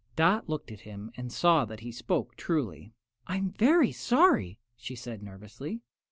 Dot looked at him and saw that he spoke truly. "I'm very sorry," she said, nervously.